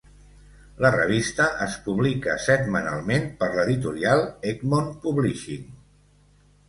La revista es publica setmanalment per l'editorial Egmont Publishing.